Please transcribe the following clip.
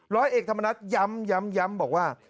ร้อยเอกธรรมนัฐย้ำบอกว่า